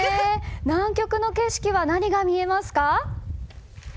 南極の景色は何が見えますか？